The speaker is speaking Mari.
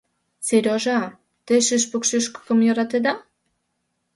— Серёжа, те шӱшпык шӱшкымым йӧратеда?